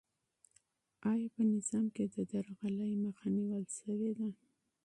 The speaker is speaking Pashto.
آیا په نظام کې د درغلۍ مخه نیول سوې ده؟